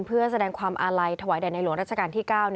เพื่อแสดงความอาลัยถวายแด่ในหลวงราชการที่๙